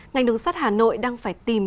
ngành đường sắt hà nội đang phải tìm